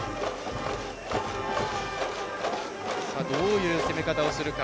どういう攻め方をするか。